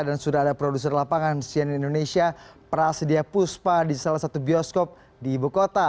dan sudah ada produser lapangan sian indonesia prasedia puspa di salah satu bioskop di ibu kota